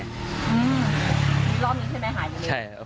รอบนี้ใช่ไหมหายไปเลย